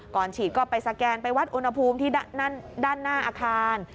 ก่อนฉีดก็ไปสแกนไปวัดอุณหภูมิที่ด้านหน้าอาคาร